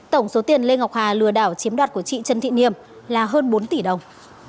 tổng số tiền lê ngọc hà lừa đảo chiếm đoạt của chị trần thị niềm là hơn bốn tỷ đồng